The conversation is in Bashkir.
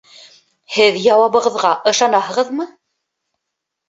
Һеҙ яуабығыҙға ышанаһығыҙмы?